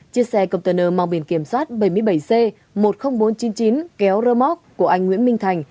chiếc xe cộng tờ nờ mong biển kiểm soát bảy mươi bảy c một mươi nghìn bốn trăm chín mươi chín kéo rơ móc của anh nguyễn minh thành